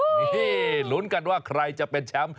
นี่ลุ้นกันว่าใครจะเป็นแชมป์